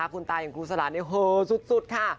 คุณตาอย่างกูศลาสเนี่ยเหอยยยยยยยยซุ๊ดค่ะ